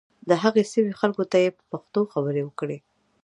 د هغې سیمې خلکو ته یې په پښتو خبرې وکړې.